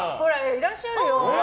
いらっしゃるよ。